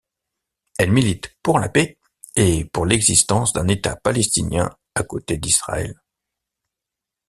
Elle milite pour la paix et pour l'existence d'un État palestinien à côté d'Israël.